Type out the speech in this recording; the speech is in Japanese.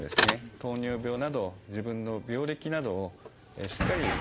糖尿病など自分の病歴などをしっかり伝える。